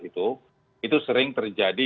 itu itu sering terjadi